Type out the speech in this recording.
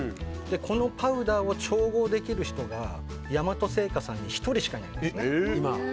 このパウダーを調合できる人が大和製菓さんに１人しかいないんですね。